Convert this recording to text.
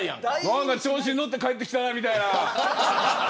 なんか調子に乗って帰ってきたみたいな。